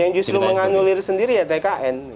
yang justru menganulir sendiri ya tkn